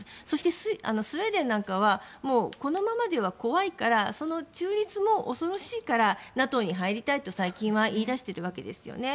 そして、スウェーデンはこのままでは怖いからその中立も恐ろしいからＮＡＴＯに入りたいと最近は言い出しているわけです。